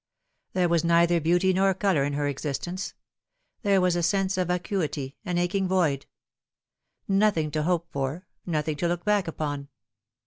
There was neither beauty nor colour in her existence ; there was a sense of vacuity, an aching void. Nothing to hope for, nothing to look back upon.